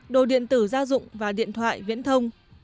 đồ điện tử gia dụng và điện thoại viễn thông